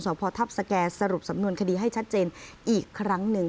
พ่อทัพสแก่สรุปสำนวนคดีให้ชัดเจนอีกครั้งหนึ่ง